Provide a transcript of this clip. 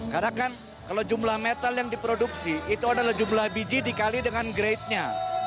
karena kan kalau jumlah metal yang diproduksi itu adalah jumlah biji dikali dengan grade nya